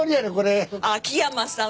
秋山さん